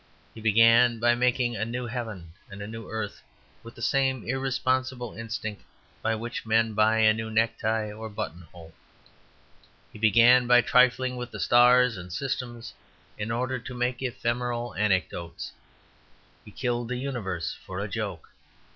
He began by making a new heaven and a new earth, with the same irresponsible instinct by which men buy a new necktie or button hole. He began by trifling with the stars and systems in order to make ephemeral anecdotes; he killed the universe for a joke.